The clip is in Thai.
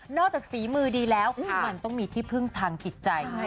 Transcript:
จากฝีมือดีแล้วมันต้องมีที่พึ่งทางจิตใจ